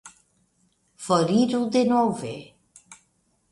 Foriru denove!